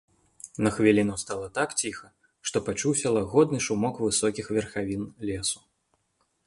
На хвіліну стала так ціха, што пачуўся лагодны шумок высокіх верхавін лесу.